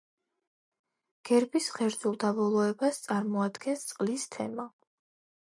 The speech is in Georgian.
გერბის ღერძულ დაბოლოებას წარმოადგენს წყლის თემა.